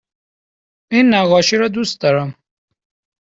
این نقاشی را دوست دارم.